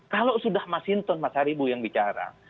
kalau sudah mas hinton mas haribu yang bicara